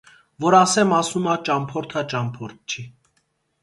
որ ասեմ, ասում ա, ճամփորդ ա՝ ճամփորդ չի: